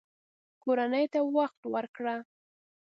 کورنۍ ته وخت ورکړه